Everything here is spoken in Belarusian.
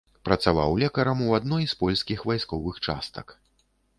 Працаваў лекарам у адной з польскіх вайсковых частак.